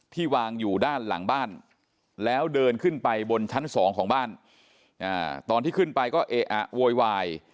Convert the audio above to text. วางอยู่ด้านหลังบ้านแล้วเดินขึ้นไปบนชั้นสองของบ้านตอนที่ขึ้นไปก็เอะอะโวยวาย